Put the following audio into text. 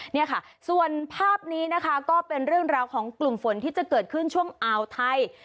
นี่ค่ะส่วนภาพนี้นะคะก็เป็นเรื่องราวของกลุ่มฝนที่จะเกิดขึ้นช่วงอ่าวไทย